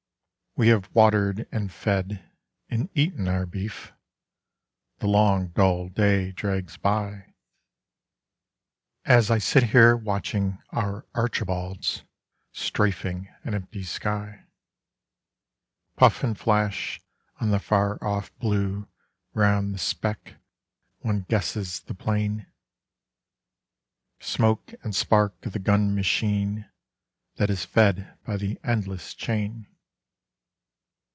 _ We have watered and fed, and eaten our beef; the long dull day drags by, As I sit here watching our "Archibalds" strafing an empty sky; Puff and flash on the far off blue round the speck one guesses the plane Smoke and spark of the gun machine that is fed by the endless chain.